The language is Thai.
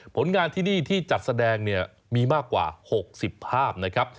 ผลงานที่นี่ที่จัดแสดงเนี่ยมีมากกว่า๖๐ภาพนะครับ